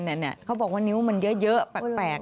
เขาบอกว่านิ้วมันเยอะแปลก